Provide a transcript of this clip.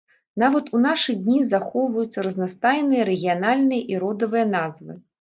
Нават у нашы дні захоўваюцца разнастайныя рэгіянальныя і родавыя назвы.